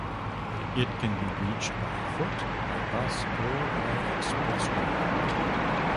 It can be reached by foot, by bus or by expressway.